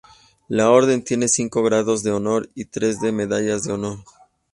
La Orden tiene cinco grados de honor y tres de medallas de honor.